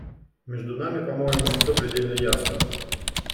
Между нами, по-моему, все предельно ясно.